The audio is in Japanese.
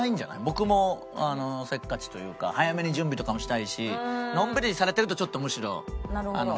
僕もせっかちというか早めに準備とかもしたいしのんびりされてるとちょっとむしろイライラしちゃうから。